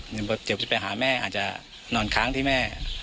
เดี๋ยวจะไปหาแม่อาจจะนอนค้างที่แม่